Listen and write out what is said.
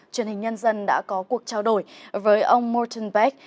truyền hình nhân dân đã có cuộc trao đổi với ông morten beck